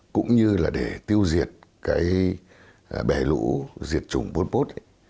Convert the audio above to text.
cũng như là để tiêu diệt cái bể lũ diệt chủng vôn vốt ấy